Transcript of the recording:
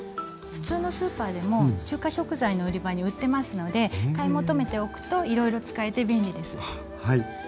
普通のスーパーでも中華食材の売り場に売ってますので買い求めておくといろいろ使えて便利です。